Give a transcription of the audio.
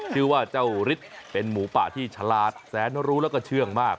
ชื่อว่าเจ้าฤทธิ์เป็นหมูป่าที่ฉลาดแสนรู้แล้วก็เชื่องมาก